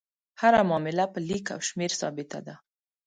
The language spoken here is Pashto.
هره معامله په لیک او شمېر ثابته کېده.